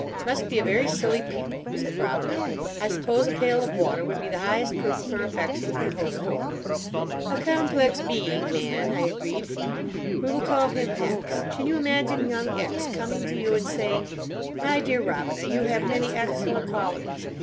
"Must be a very silly people," said Robina; "I suppose a pail of water would be the highest proof of her affection he could hope for." "A complex being, man," I agreed. "We will call him X. Can you imagine young X coming to you and saying: 'My dear Robina, you have many excellent qualities.